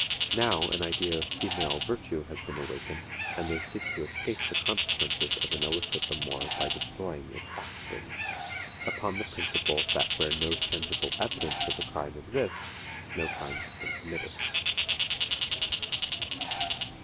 Now an idea of female virtue has been awakened, and they seek to escape the consequences of an illicit amour by destroying its offspring, upon the principle that where no tangible evidence of a crime exists, no crime has been committed.